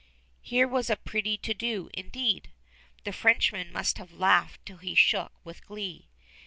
Here was a pretty to do, indeed! The Frenchman must have laughed till he shook with glee!